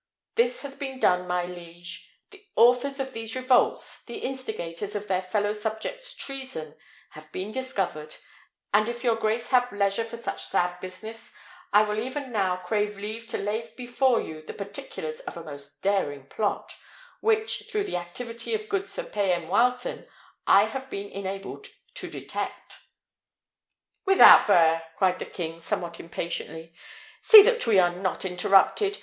This has been done, my liege. The authors of all these revolts, the instigators of their fellow subjects' treason, have been discovered; and if your grace have leisure for such sad business, I will even now crave leave to lay before you the particulars of a most daring plot, which, through the activity of good Sir Payan Wileton, I have been enabled to detect." "Without there!" cried the king, somewhat impatiently. "See that we are not interrupted.